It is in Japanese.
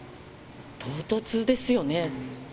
唐突ですよね。